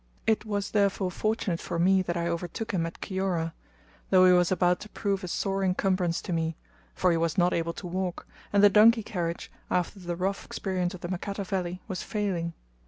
It was therefore fortunate for me that I overtook him at Kiora; though he was about to prove a sore incumbrance to me, for he was not able to walk, and the donkey carriage, after the rough experience of the Makata valley, was failing.